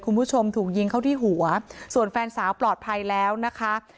คุณผู้ชมถูกยิงเข้าที่หัวส่วนแฟนสาวปลอดภัยแล้วนะคะ